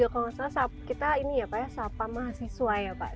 kita ini ya pak ya sahabat mahasiswa ya pak